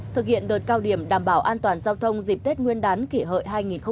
thực hiện đợt cao điểm đảm bảo an toàn giao thông dịp tết nguyên đán kỷ hợi hai nghìn một mươi chín